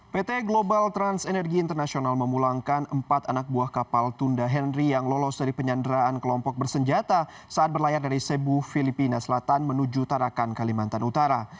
pt global trans energy international memulangkan empat anak buah kapal tunda henry yang lolos dari penyanderaan kelompok bersenjata saat berlayar dari sebu filipina selatan menuju tarakan kalimantan utara